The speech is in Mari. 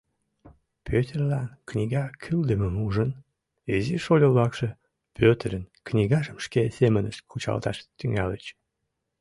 Пӧтырлан книга кӱлдымым ужын, изи шольо-влакше Пӧтырын книгажым шке семынышт кучылташ тӱҥальыч.